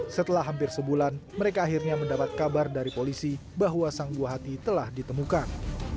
setelah hampir sebulan mereka akhirnya mendapat kabar dari polisi bahwa sang buah hati telah ditemukan